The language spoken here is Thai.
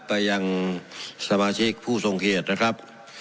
ไปยังสมาชิกผู้ทรงเขตนะครับ